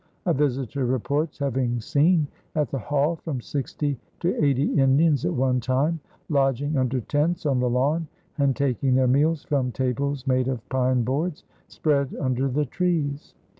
A visitor reports having seen at the Hall from sixty to eighty Indians at one time lodging under tents on the lawn and taking their meals from tables made of pine boards spread under the trees.